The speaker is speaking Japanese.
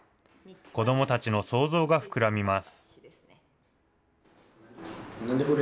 子どもたちの想像がふくらみます。